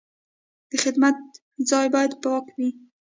د خدمت ځای باید پاک وي.